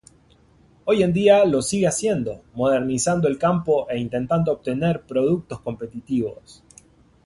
Hoy en día lo sigue haciendo, modernizando el campo e intentando obtener productos competitivos.